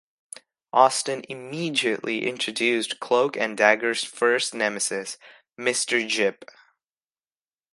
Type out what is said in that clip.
Austin immediately introduced Cloak and Dagger's first nemesis, Mister Jip.